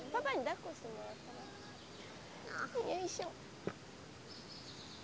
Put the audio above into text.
よいしょ。